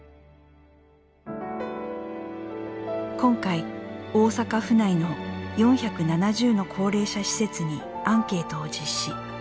今回大阪府内の４７０の高齢者施設にアンケートを実施。